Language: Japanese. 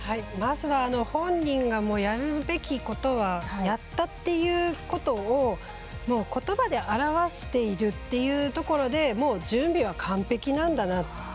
まずは本人がやるべきことはやったということをことばで表しているっていうところでもう準備は完璧なんだな。